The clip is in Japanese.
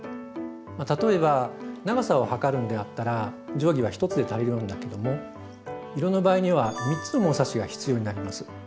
例えば長さを測るんであったら定規は１つで足りるんだけども色の場合には３つの物差しが必要になります。